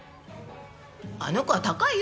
あの子は高いよ。